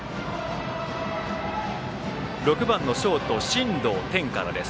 ６番のショート進藤天からです。